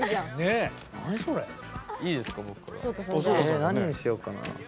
ええ何にしようかな。